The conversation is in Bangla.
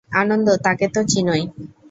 আনন্দ, তাকে তো চিনোই।